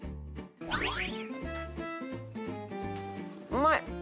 うまい！